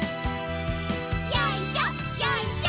よいしょよいしょ。